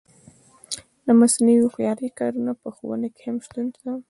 د مصنوعي هوښیارۍ کارونه په ښوونه کې هم شته.